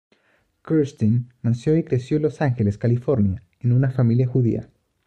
Kurstin nació y creció en Los Ángeles, California, en una familia judía.